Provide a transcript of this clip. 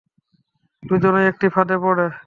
দুজনই একটি ফাঁদে পড়ে।